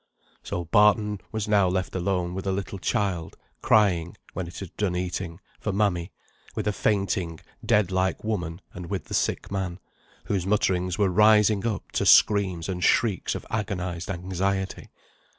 So Barton was now left alone with a little child, crying (when it had done eating) for mammy; with a fainting, dead like woman; and with the sick man, whose mutterings were rising up to screams and shrieks of agonised anxiety.